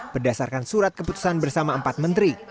berdasarkan surat keputusan bersama empat menteri